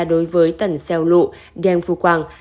đối với tần xeo lụ đen phu quang